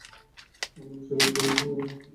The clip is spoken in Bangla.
আমরা এসবে ভুলবার নয়।